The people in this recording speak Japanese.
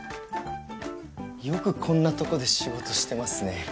よくこんなとこで仕事してますね。